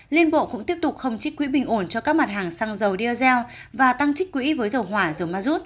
liên bộ cũng tiếp tục không chích quỹ bình ổn cho các mặt hàng xăng dầu diesel và tăng chích quỹ với dầu hỏa dầu ma rút